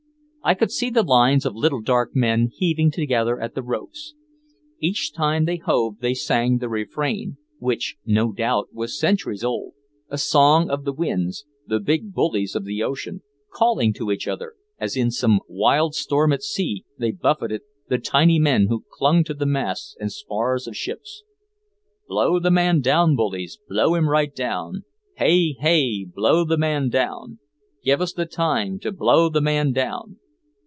I could see the lines of little dark men heaving together at the ropes. Each time they hove they sang the refrain, which, no doubt, was centuries old, a song of the winds, the big bullies of the ocean, calling to each other as in some wild storm at sea they buffeted the tiny men who clung to the masts and spars of ships: "Blow the man down, bullies, Blow him right down! Hey! Hey! Blow the man down! Give us the time to blow the man down!"